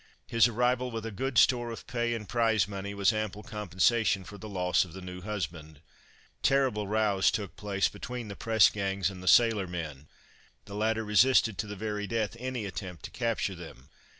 His arrival, with a good store of pay, and prize money, was ample compensation for the loss of the new husband. Terrible rows took place between the press gangs and the sailor men the latter resisted to the very death any attempt to capture them.